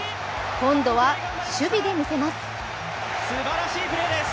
今度は守備で見せます。